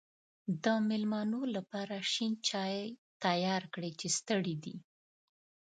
د مېلمنو لپاره شین چای تیار کړی چې ستړی دی.